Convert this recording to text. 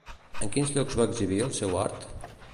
En quins llocs va exhibir el seu art?